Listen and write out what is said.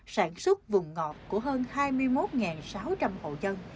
sản xuất vùng ngọt của hơn hai mươi một sáu trăm linh hộ dân